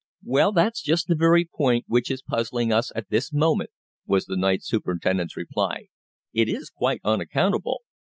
"Well, that's just the very point which is puzzling us at this moment," was the night superintendent's reply. "It is quite unaccountable.